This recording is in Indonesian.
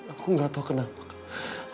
aku nggak tahu kenapa kak